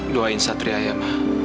doain satri ayamah